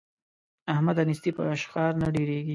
احمده! نېستي په اشخار نه ډېرېږي.